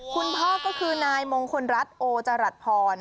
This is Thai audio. คุณพ่อก็คือนายมงคลรัฐโอจรัสพร